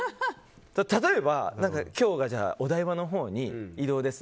例えば今日がお台場のほうに移動です